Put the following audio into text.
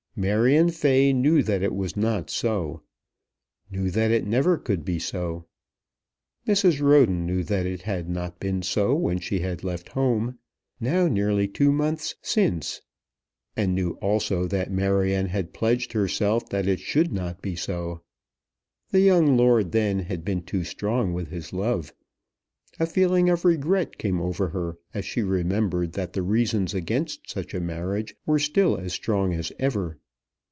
Marion Fay knew that it was not so; knew that it never could be so. Mrs. Roden knew that it had not been so when she had left home, now nearly two months since; and knew also that Marion had pledged herself that it should not be so. The young lord then had been too strong with his love. A feeling of regret came over her as she remembered that the reasons against such a marriage were still as strong as ever.